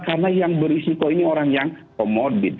karena yang berisiko ini orang yang comorbid